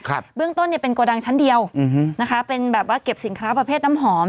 เบื้องต้นเนี้ยเป็นโกดังชั้นเดียวอืมนะคะเป็นแบบว่าเก็บสินค้าประเภทน้ำหอม